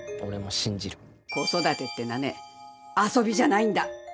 子育てってのはね遊びじゃないんだ。